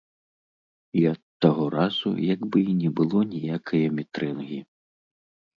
І ад таго разу, як бы і не было ніякае мітрэнгі.